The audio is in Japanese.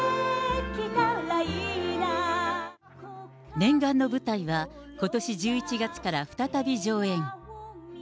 念願の舞台は、ことし１１月から再び上演。